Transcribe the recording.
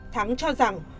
thắng cho rằng